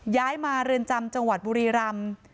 ย้ายมาเรือนจำจังหวัดบุรีรำ